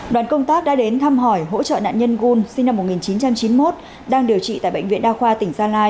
đoàn công tác đã đến thăm hỏi hỗ trợ nạn nhân gun sinh năm một nghìn chín trăm chín mươi một đang điều trị tại bệnh viện đa khoa tỉnh gia lai